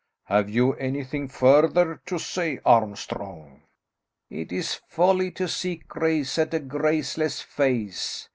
Have you anything further to say, Armstrong?" "It is folly to seek grace at a graceless face.